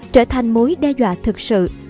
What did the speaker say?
trở thành mối đe dọa thực sự